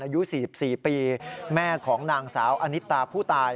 อายุ๔๔ปีแม่ของนางสาวอนิตาผู้ตาย